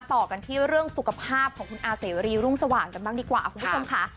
ต่อกันที่เรื่องสุขภาพของคุณอาเสรีรุ่งสว่างกันบ้างดีกว่าคุณผู้ชมค่ะ